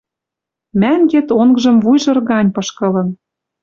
Мӓнгет онгжым вуйжыр гань пышкылын.